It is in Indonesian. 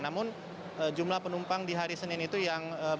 namun jumlah penumpang di hari senin itu yang